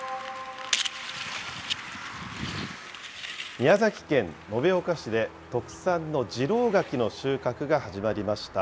宮崎県延岡市で、特産の次郎柿の収穫が始まりました。